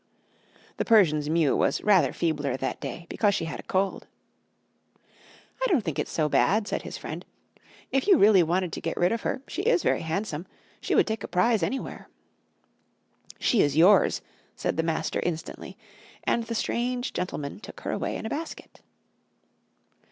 The Persian's mew was rather feebler that day, because she had a cold. "I don't think it's so bad," said his friend. "If you really wanted to get rid of her, she is very handsome; she would take a prize anywhere." "She is yours," said the master instantly; and the strange gentleman took her away in a basket.